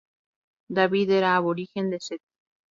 David era aborigen de St.